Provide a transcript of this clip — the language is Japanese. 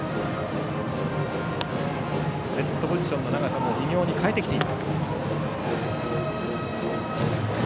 セットポジションの長さを微妙に変えてきています。